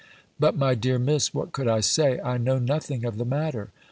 But, my dear Miss, what could I say? I know nothing of the matter!